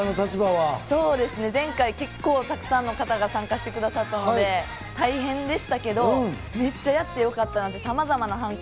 前回、結構、たくさんの方が参加してくださったので大変でしたけど、めっちゃやってよかったなって。